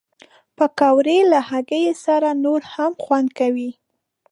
پکورې له هګۍ سره نور هم خوند کوي